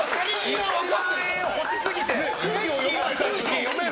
１万円欲しすぎて。